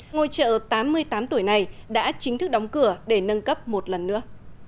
ngôi chợ tám mươi tám tuổi này đã chính thức đóng cửa để nâng cấp một lần nữa